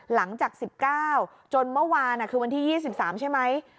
หลังจาก๑๙จนเมื่อวานคือวันที่๒๓ใช่ไหม